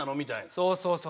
そうそうそう。